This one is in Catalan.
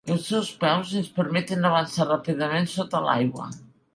Els seus peus ens permeten avançar ràpidament sota l'aigua.